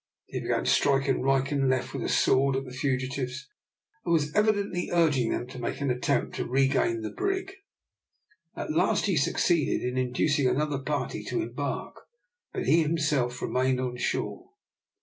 He began striking right and left with a sword at the fugitives, and was evidently urging them to make an attempt to regain the brig. At last he succeeded in inducing another party to embark, but he himself remained on shore.